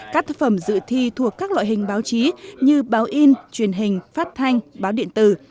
các tác phẩm dự thi thuộc các loại hình báo chí như báo in truyền hình phát thanh báo điện tử